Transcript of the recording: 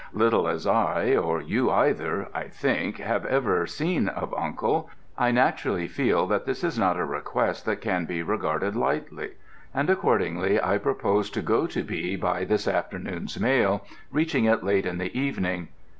Little as I, or you either, I think, have ever seen of Uncle, I naturally feel that this is not a request that can be regarded lightly, and accordingly I propose to go to B by this afternoon's mail, reaching it late in the evening.